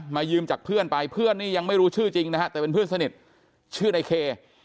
ยืมจากเพื่อนไปเพื่อนนี่ยังไม่รู้ชื่อจริงนะฮะแต่เป็นเพื่อนสนิทชื่อในเค